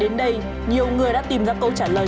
đến đây nhiều người đã tìm ra câu trả lời